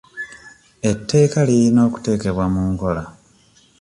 Eteeka lirina okuteekebwa mu nkola.